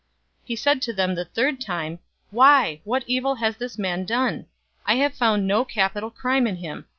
023:022 He said to them the third time, "Why? What evil has this man done? I have found no capital crime in him.